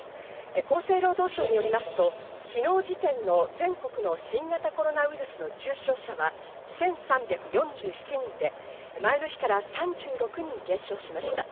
厚生労働省によりますと、昨日時点の全国の新型コロナウイルスの重症者は１３４７人で、前の日から３６人減少しました。